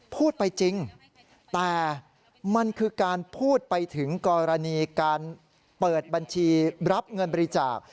พูดไปจริงแต่มันคือการพูดไปถึงกรณีการเปิดบัญชีรับเงินบริจาค